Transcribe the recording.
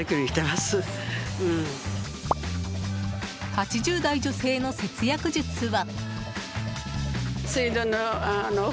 ８０代女性の節約術は。